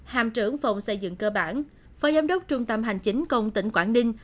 hàm trưởng phòng xây dựng cơ bản phó giám đốc trung tâm hành chính công tỉnh quảng ninh